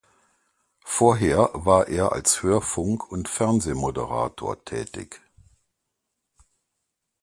Vorher war er als Hörfunk- und Fernsehmoderator tätig.